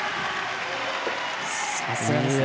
さすがですね。